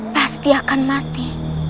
pasti akan mati